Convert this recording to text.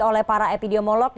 oleh para epidemiolog